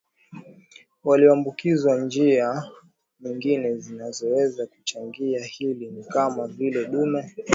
walioambukizwa Njia nyingine zinazoweza kuchangia hili ni kama vile dume aliyeambukizwa anapombebesha mimba ngamia